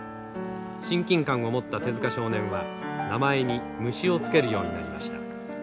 親近感を持った手塚少年は名前に「虫」を付けるようになりました。